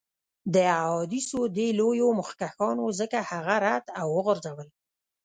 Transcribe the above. د احادیثو دې لویو مخکښانو ځکه هغه رد او وغورځول.